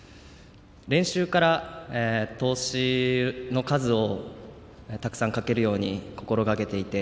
練習から、通しの数をたくさんかけるように心がけていて。